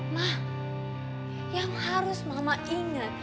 mah yang harus mama ingat